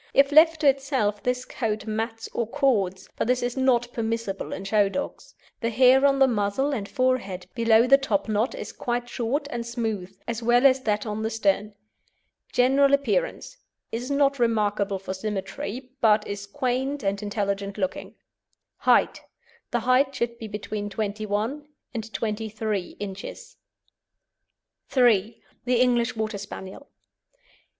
If left to itself, this coat mats or cords, but this is not permissible in show dogs. The hair on the muzzle and forehead below the topknot is quite short and smooth, as well as that on the stern. GENERAL APPEARANCE Is not remarkable for symmetry, but is quaint and intelligent looking. HEIGHT The height should be between 21 and 23 inches. III. THE ENGLISH WATER SPANIEL.